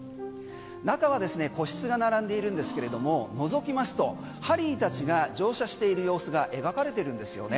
中は、個室が並んでいるんですけれどものぞきますとハリーたちが乗車している様子が描かれてるんですよね。